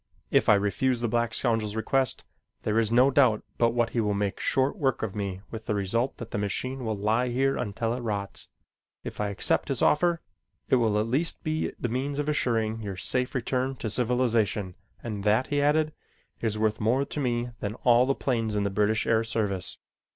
If I refuse the black scoundrel's request, there is no doubt but what he will make short work of me with the result that the machine will lie here until it rots. If I accept his offer it will at least be the means of assuring your safe return to civilization and that" he added, "is worth more to me than all the planes in the British Air Service."